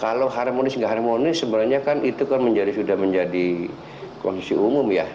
kalau harmonis nggak harmonis sebenarnya kan itu kan sudah menjadi kondisi umum ya